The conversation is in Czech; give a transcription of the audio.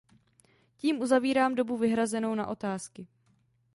Tím uzavírám dobu vyhrazenou na otázky.